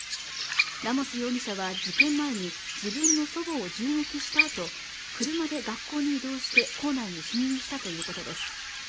ラモス容疑者は事件前に自分の祖母を銃撃したあと車で学校に移動して校内に侵入したということです